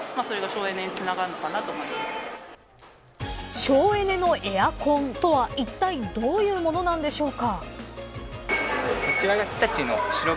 省エネのエアコンとはいったい、どういうものなのでしょうか。